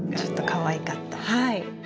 はい。